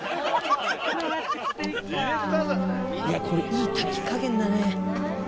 いやいい炊き加減だね。